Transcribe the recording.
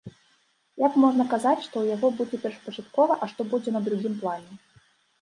Як можна казаць, што ў яго будзе першапачаткова, а што будзе на другім плане?